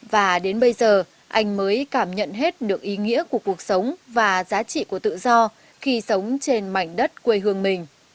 và đến bây giờ anh mới cảm nhận hết được ý nghĩa của cuộc sống và giá trị của tự do khi sống trên mảnh đất quê hương mình